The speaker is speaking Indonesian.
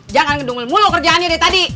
jangan gedung mulut kerjaannya dari tadi